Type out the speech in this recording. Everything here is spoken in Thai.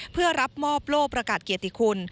เพื่อรับมอบโลกประกาศเกียรติคุณ